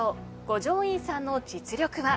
五条院さんの実力は。